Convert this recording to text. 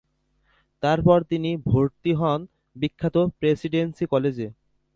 তারপর তিনি ভর্তি হন বিখ্যাত প্রেসিডেন্সি কলেজে।